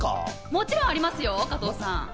もちろんありますよ、加藤さん。